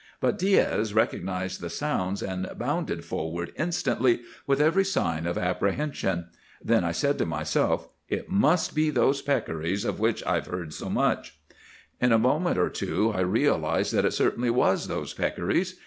But Diaz recognized the sounds, and bounded forward instantly with every sign of apprehension. Then I said to myself, 'It must be those peccaries of which I've heard so much.' "In a moment or two I realized that it certainly was those peccaries.